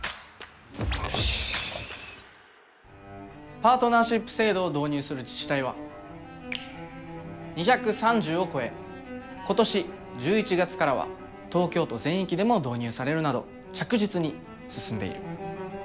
パートナーシップ制度を導入する自治体は２３０を超え今年１１月からは東京都全域でも導入されるなど着実に進んでいる。